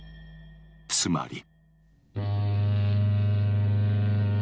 つまり。